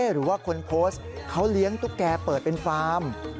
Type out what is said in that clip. หรือว่าคนโพสต์เขาเลี้ยงตุ๊กแกเปิดเป็นฟาร์ม